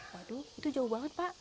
waduh itu jauh banget pak